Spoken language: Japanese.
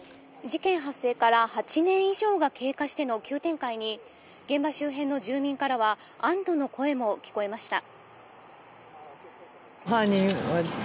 事件発生から８年以上が経過しての急展開に現場周辺の住民からは安堵の声も聞こえました。